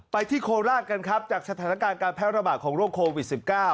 ที่โคราชกันครับจากสถานการณ์การแพร่ระบาดของโรคโควิด๑๙